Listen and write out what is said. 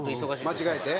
間違えて？